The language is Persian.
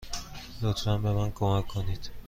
لطفا به من کمک کنید.